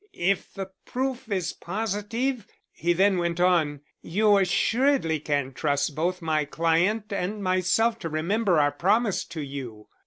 "If the proof is positive," he then went on, "you assuredly can trust both my client and myself to remember our promise to you."